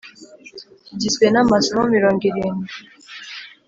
kigizwe n’amasomo mirongo irindwi